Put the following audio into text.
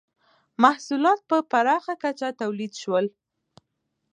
• محصولات په پراخه کچه تولید شول.